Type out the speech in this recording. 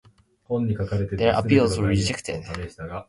Their appeals were rejected.